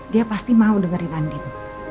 dia pasti mau dengerin banding